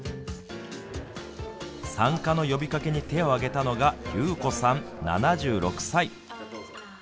参加の呼びかけに手を挙げたのがゆうこさん７６歳。